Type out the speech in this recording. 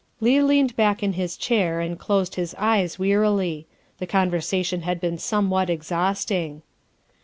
'' Leigh leaned back in his chair and closed his eyes wearily; the conversation had been somewhat ex hausting.